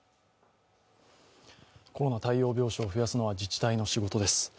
コロナ対応病床を増やすのは自治体の仕事です。